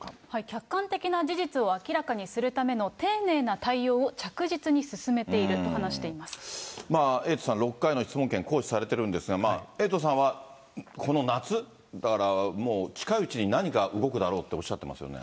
客観的な事実を明らかにするための丁寧な対応を着実に進めてエイトさん、６回の質問権、行使されているんですが、エイトさんはこの夏、だからもう近いうちに何か動くだろうとおっしゃってますよね。